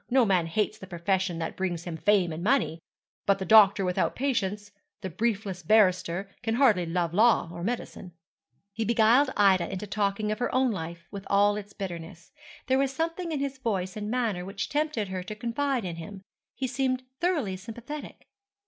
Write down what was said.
No man hates the profession that brings him fame and money; but the doctor without patients, the briefless barrister, can hardly love law or medicine.' He beguiled Ida into talking of her own life, with all its bitterness. There was something in his voice and manner which tempted her to confide in him. He seemed thoroughly sympathetic.